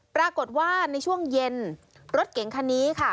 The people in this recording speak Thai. ปรากฏว่าในช่วงเย็นรถเก๋งคันนี้ค่ะ